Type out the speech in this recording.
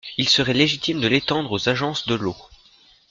Il serait légitime de l’étendre aux agences de l’eau.